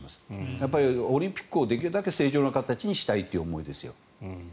やっぱりオリンピックをできるだけ正常な形にしたいということですよ。